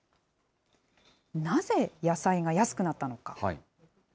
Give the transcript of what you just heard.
なぜ野菜が安くなったのか。